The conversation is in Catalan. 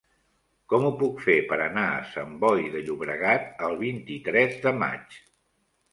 Com ho puc fer per anar a Sant Boi de Llobregat el vint-i-tres de maig?